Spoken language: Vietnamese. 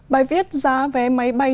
bài viết giá vé máy bay